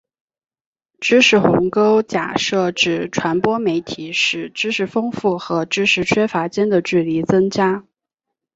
知识鸿沟假设指传播媒体使知识丰富和知识缺乏间的距离增加。